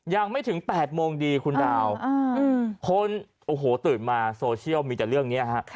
ยังไม่ถึง๘โมงดีคุณดาวคนโอ้โหตื่นมาโซเชียลมีแต่เรื่องนี้ฮะ